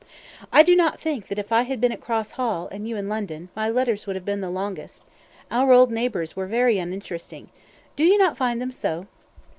"I do not think that if I had been at Cross Hall, and you in London, my letters would have been the longest. Our old neighbours were very uninteresting do you not find them so?"